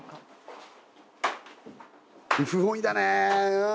不本意だね。